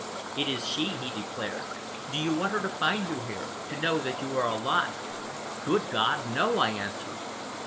"It is she," he declared. "Do you want her to find you here, to know that you are alive?" "Good God! No!" I answered.